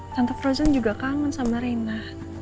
tante frozen juga kangen sama rina